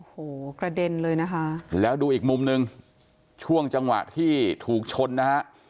โอ้โหกระเด็นเลยนะคะแล้วดูอีกมุมหนึ่งช่วงจังหวะที่ถูกชนนะฮะ